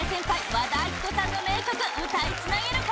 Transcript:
和田アキ子さんの名曲歌いつなげるか？